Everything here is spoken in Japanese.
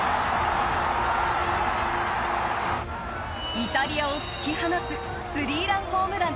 イタリアを突き放すスリーランホームラン。